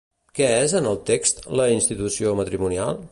Què és, en el text, la institució matrimonial?